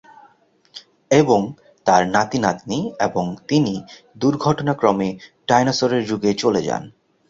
এবং তার নাতি-নাতি এবং তিনি দুর্ঘটনাক্রমে ডাইনোসরের যুগে চলে যান।